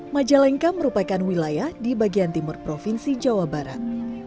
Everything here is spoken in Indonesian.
majalengka merupakan wilayah di bagian timur provinsi jawa barat